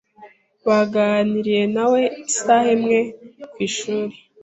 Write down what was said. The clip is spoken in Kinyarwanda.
Baganiriye nawe isaha imwe ku ishuri.